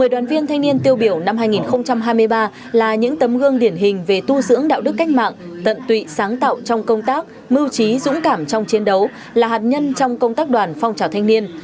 một mươi đoàn viên thanh niên tiêu biểu năm hai nghìn hai mươi ba là những tấm gương điển hình về tu dưỡng đạo đức cách mạng tận tụy sáng tạo trong công tác mưu trí dũng cảm trong chiến đấu là hạt nhân trong công tác đoàn phong trào thanh niên